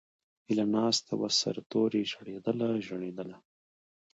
ھیلہ ناستہ وہ سر توریی ژڑیدلہ، ژڑیدلہ